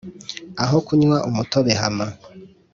Aho kunywa umutobe hama